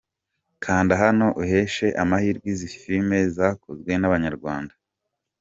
Kanda hano uheshe amahirwe izi filime zakozwe n’Abanyarwanda.